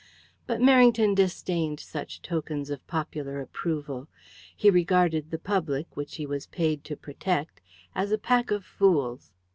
But Merrington disdained such tokens of popular approval. He regarded the public, which he was paid to protect, as a pack of fools.